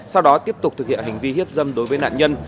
nguyễn đăng khoa tiếp tục thực hiện hành vi hiếp dâm đối với nạn nhân